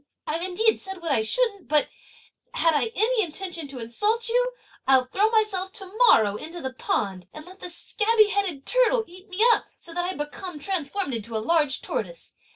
I've indeed said what I shouldn't; but if I had any intention to insult you, I'll throw myself to morrow into the pond, and let the scabby headed turtle eat me up, so that I become transformed into a large tortoise.